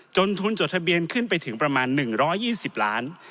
ทุนจดทะเบียนขึ้นไปถึงประมาณ๑๒๐ล้าน